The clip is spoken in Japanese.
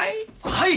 はい！